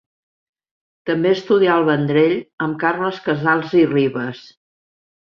També estudià al Vendrell amb Carles Casals i Ribes.